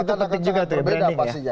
itu penting juga tuh ya